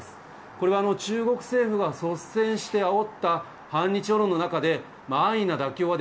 これは中国政府が率先してあおった反日世論の中で、安易な妥協は